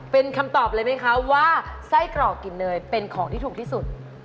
เป็นคำตอบเลยไหมคะว่าไส้กรอกกลิ่นเนยเป็นของที่ถูกที่สุด